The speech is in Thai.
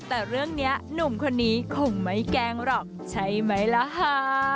แต่เรื่องนี้หนุ่มคนนี้คงไม่แกล้งหรอกใช่ไหมล่ะค่ะ